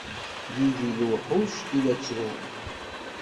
Yid-i lewḥuc i la ttrun.